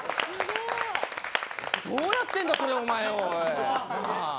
どうやってんだそれ、おまえ。